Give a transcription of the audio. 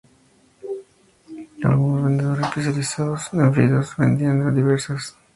Algunos vendedores especializados en fideos los vendían con diversas guarniciones y estilos.